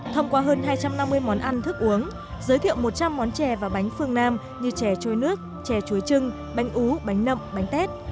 thông qua hơn hai trăm năm mươi món ăn thức uống giới thiệu một trăm linh món chè và bánh phương nam như chè trôi nước chè chuối trưng bánh ú bánh nậm bánh tết